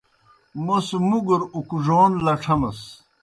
موْس مُگر اُکڙون لڇھمَس۔